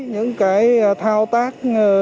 những cái thao tác